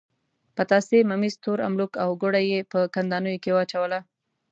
پتاسې، ممیز، تور املوک او ګوړه یې په کندانیو کې واچوله.